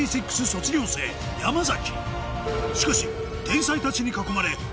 卒業生山崎